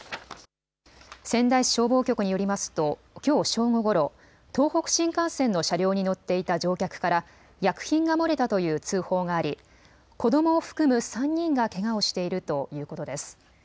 仙台市消防局によりますときょう正午ごろ、東北新幹線の車両に乗っていた乗客から薬品が漏れたという通報があり子どもを含む３人がけがをしているということです。